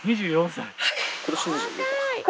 ２４歳。